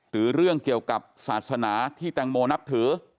เรื่องเกี่ยวกับศาสนาที่แตงโมนับถือ